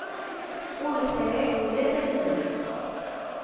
Ur sεiɣ ula d anza.